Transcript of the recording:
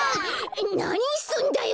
なにすんだよ